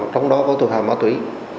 trong đó có tội phạm ma túy